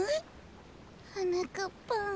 はなかっぱん。